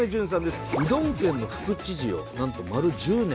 うどん県の副知事をなんと丸１０年。